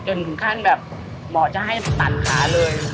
จนทุกขั้นหมอจะให้ตัดขาเลย